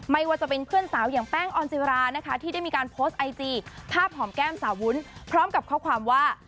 ไม่ว่าจะเป็นเพื่อนสาวอย่างแป้งออนจิรานะคะที่ได้มีการโพสต์ไอจีภาพหอมแก้มสาววุ้นพร้อมกับข้อความว่า